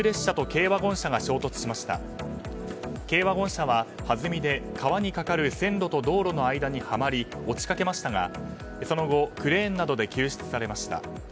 軽ワゴン車ははずみで川に架かる線路と道路の間にはまり落ちかけましたがその後、クレーンなどで救出されました。